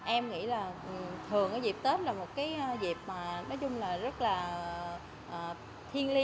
em nghĩ là thường cái dịp tết là một cái dịp mà nói chung là rất là thiên liên